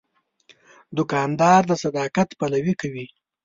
دوکاندار د صداقت پلوي کوي.